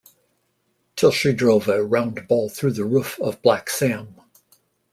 Till she drove a round ball through the roof of Black Sam.